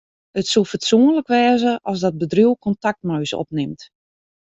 It soe fatsoenlik wêze as dat bedriuw kontakt mei ús opnimt.